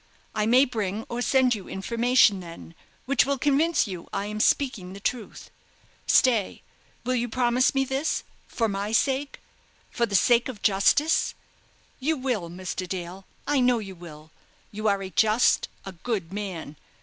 I may bring or send you information then, which will convince you I am speaking the truth. Stay, will you promise me this, for my sake, for the sake of justice? You will, Mr. Dale, I know you will; you are a just, a good man.